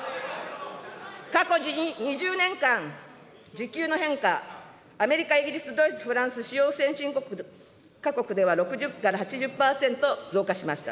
過去２０年間、時給の変化、アメリカ、イギリス、ドイツ、フランス、主要先進国各国では６０から８０％増加しました。